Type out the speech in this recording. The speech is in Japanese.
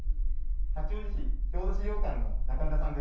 八王子市郷土資料館の中村さんです。